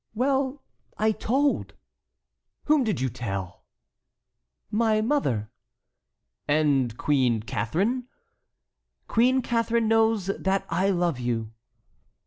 "Well, I told." "Whom did you tell?" "My mother." "And Queen Catharine"— "Queen Catharine knows that I love you."